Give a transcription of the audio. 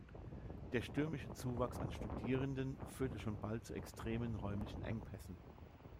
Der stürmische Zuwachs an Studierenden führte schon bald zu extremen räumlichen Engpässen.